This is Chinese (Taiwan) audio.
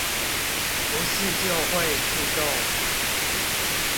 不是就會自動